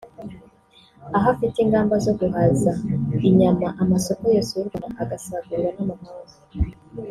aho afite ingamba zo guhaza inyama amasoko yose y’u Rwanda agasagurira n’amahanga